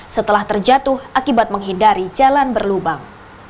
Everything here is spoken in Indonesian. setelah terjatuh akibat menghindari jalan berlubang